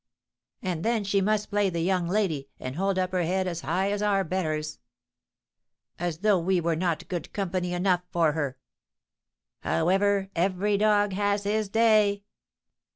"And then she must play the young lady, and hold up her head as high as our betters!" "As though we were not good company enough for her!" "However, every dog has his day!"